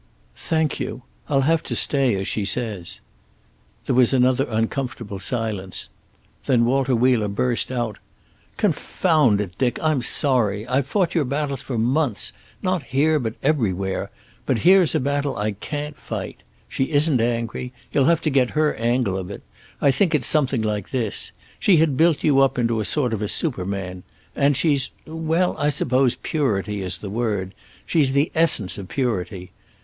"Thank you. I'll have to stay, as she says." There was another uncomfortable silence. Then Walter Wheeler burst out: "Confound it, Dick, I'm sorry. I've fought your battles for months, not here, but everywhere. But here's a battle I can't fight. She isn't angry. You'll have to get her angle of it. I think it's something like this. She had built you up into a sort of superman. And she's well, I suppose purity is the word. She's the essence of purity.